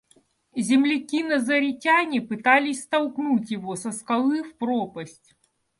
Земляки-назаретяне пытались столкнуть его со скалы в пропасть.